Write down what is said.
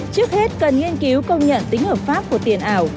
trước hết cần nghiên cứu công nhận tính hợp pháp của tiền ảo